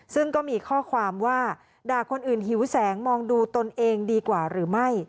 ซึ่งก็มีข้อความว่าด่าคนอื่นหิวแสงมองดูตนเองดีกว่าหรือไม่